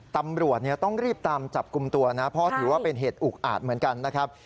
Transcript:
ตำรวจต้องรีบตามจับกลุ่มตัวนะเพราะถือว่าเป็นเหตุอุกอาจเหมือนกันนะครับ